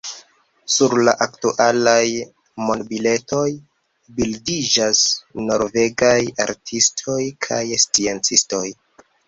Sur la aktualaj monbiletoj bildiĝas norvegaj artistoj kaj sciencistoj.